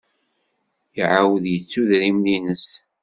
Iɛawed yettu idrimen-nnes.